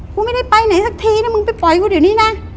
กูไม่ได้ไปไหนสักทีนะมึงไปปล่อยกูเดี๋ยวนี้นะ